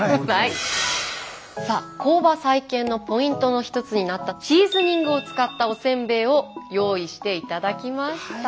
さあ工場再建のポイントの一つになったシーズニングを使ったおせんべいを用意していただきました。